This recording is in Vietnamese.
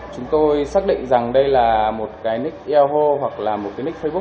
chúng tôi xác định rằng đây là một cái nick eo hoặc là một cái nick facebook